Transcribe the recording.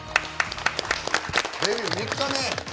デビュー３日目。